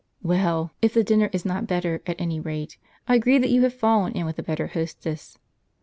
Well, if the dinner is not better, at any rate I agree that you have fallen in with a better hostess."